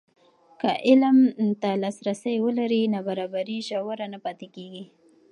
که علم لاسرسی ولري، نابرابري ژوره نه پاتې کېږي.